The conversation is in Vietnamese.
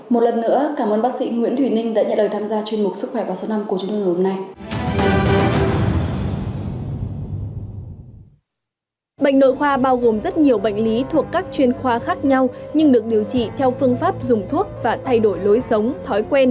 một lần nữa cảm ơn bác sĩ nguyễn thùy ninh đã nhận đời tham gia chuyên mục sức khỏe vào số năm của chúng tôi hôm nay